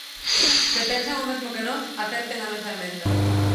Se pensan o mesmo que nós, acepten a nosa emenda.